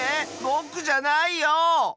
ぼくじゃないよ！